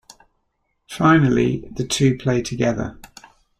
Finally, the two play together.